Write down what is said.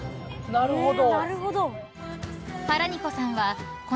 なるほど。